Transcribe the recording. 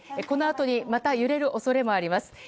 このあとにまた揺れる恐れもあります。